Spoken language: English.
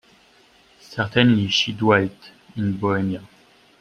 Certainly she dwelt in Bohemia.